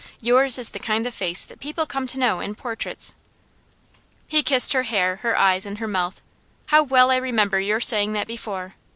Yours is the kind of face that people come to know in portraits.' He kissed her hair, and her eyes, and her mouth. 'How well I remember your saying that before!